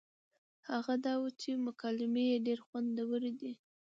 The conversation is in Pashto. هغه دا وه چې مکالمې يې ډېرې خوندورې دي